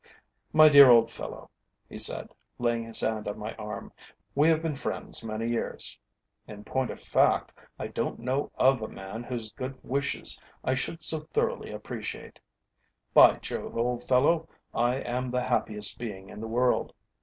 "My dear old fellow," he said, laying his hand on my arm, "we have been friends many years. In point of fact I don't know of a man whose good wishes I should so thoroughly appreciate. By Jove, old fellow, I am the happiest being in the world!